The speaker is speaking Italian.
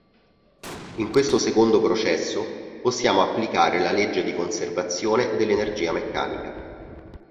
In questo secondo processo possiamo applicare la legge di conservazione dell'energia meccanica.